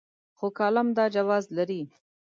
خو کالم دا جواز لري.